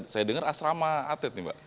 saya dengar asrama atlet nih mbak